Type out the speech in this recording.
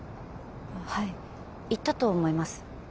はい行ったと思います